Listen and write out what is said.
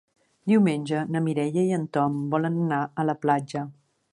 Diumenge na Mireia i en Tom volen anar a la platja.